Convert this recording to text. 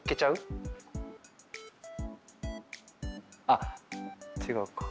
あっ違うか。